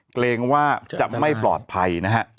เกรงว่าจะไม่ปลอดภัยนะฮะ